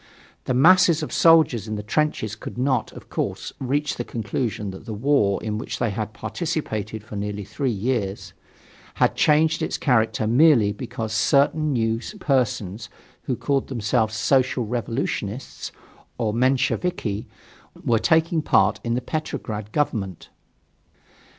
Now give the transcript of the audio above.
The masses of soldiers in the trenches could not, of course, reach the conclusion that the war, in which they had participated for nearly three years, had changed its character merely because certain new persons, who called themselves "Social Revolutionists" or "Mensheviki," were taking part in the Petrograd Government.